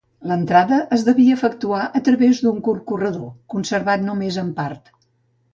L'entrada es devia efectuar a través d'un curt corredor, conservat només en part.